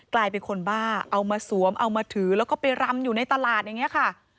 กลายเป็นคนบ้าเอามาสวมเอามาถือแล้วก็ไปรำอยู่ในตลาดอย่างนี้ค่ะ